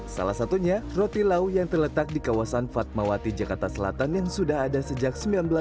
salah satunya roti lau yang terletak di kawasan fatmawati jakarta selatan yang sudah ada sejak seribu sembilan ratus delapan puluh